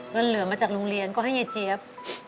เงินเหลือมาจากโรงเรียนก็ให้ยายเจี๊ยบ